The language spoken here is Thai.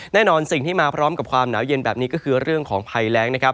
แน่นอนสิ่งที่มาพร้อมกับความหนาวเย็นแบบนี้ก็คือเรื่องของภัยแรงนะครับ